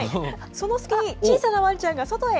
その隙に小さなワンちゃんが外へ。